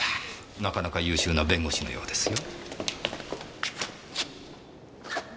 なかなか優秀な弁護士のようですよ。